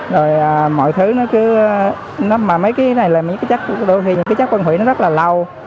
rồi mọi thứ nó cứ mà mấy cái này là mấy cái chất đôi khi những cái chất phân hủy nó rất là lâu